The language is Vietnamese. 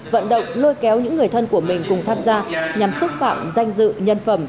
vận động lôi kéo những người thân của mình cùng tham gia nhằm xúc phạm danh dự nhân phẩm